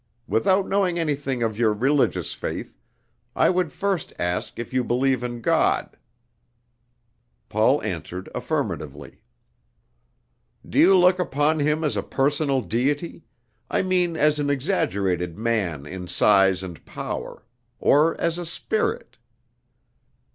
Without knowing anything of your religious faith, I would first ask if you believe in God?" Paul answered affirmatively. "Do you look upon him as a personal Deity I mean as an exaggerated man in size and power or as a Spirit?"